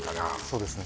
そうですね